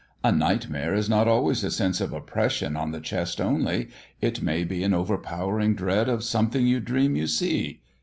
A nightmare is not always a sense of oppression on the chest only; it may be an overpowering dread of something you dream you see.